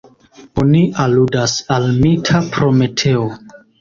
Oni aludas al mita Prometeo.